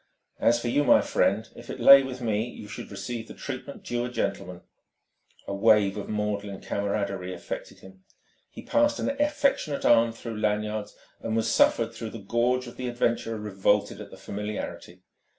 As for you, my friend, if it lay with me, you should receive the treatment due a gentleman." A wave of maudlin camaraderie affected him. He passed an affectionate arm through Lanyard's and was suffered, though the gorge of the adventurer revolted at the familiarity.